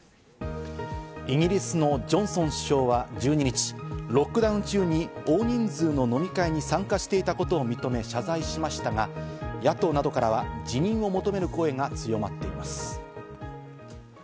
イギリスのジョンソン首相は１２日、ロックダウン中に大人数の飲み会に参加していたことを認め謝罪しましたが、野党などからは辞任を求める声が強まっています。